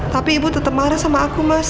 tapi ibu tetap marah sama aku mas